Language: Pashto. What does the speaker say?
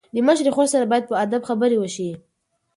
د مشرې خور سره باید په ادب خبرې وشي.